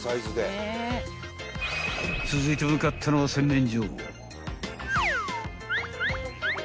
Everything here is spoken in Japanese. ［続いて向かったのは洗面所］